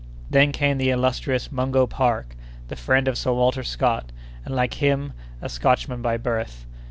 Then came the illustrious Mungo Park, the friend of Sir Walter Scott, and, like him, a Scotchman by birth.